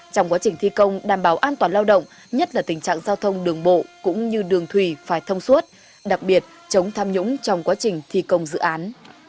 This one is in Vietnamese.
trong quá trình thi công đảm bảo an toàn lao động nhất là tình trạng giao thông đường bộ cũng như đường thủy phải thông suốt đặc biệt chống tham nhũng trong quá trình thi công dự án